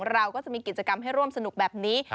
เราก็จะมีกิจกรรมให้ร่วมสนุกแบบนี้